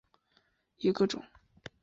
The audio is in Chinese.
大白藤为棕榈科省藤属下的一个种。